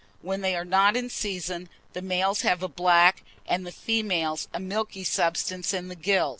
When they are not in season, the males have a black, and the females a milky substance in the gill.